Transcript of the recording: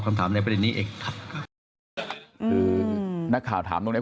คุณหมอชนหน้าเนี่ยคุณหมอชนหน้าเนี่ย